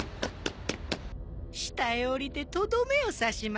下へ降りてとどめを刺しますか？